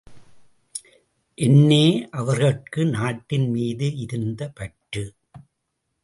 என்னே அவர்கட்கு நாட்டின் மீது இருந்த பற்று!